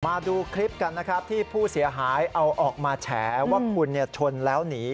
มาดูคลิปกันนะครับที่ผู้เสียหายเอาออกมาแฉว่าคุณชนแล้วหนี